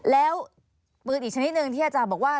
แล้วปืนอีกชนิดหนึ่งที่อาจารย์บอกว่า